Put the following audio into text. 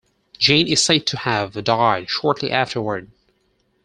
Jane is said to have died shortly afterward.